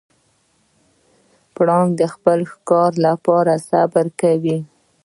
پړانګ د خپل ښکار لپاره صبر کوي.